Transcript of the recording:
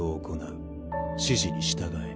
指示に従え。